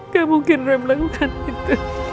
tak mungkin roy melakukan itu